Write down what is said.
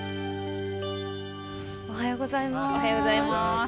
おはようございます。